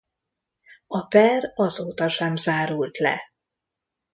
A per azóta sem zárult le.